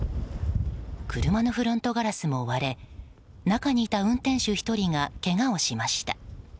車のフロントガラスも割れ中にいた運転手１人がけがをしました。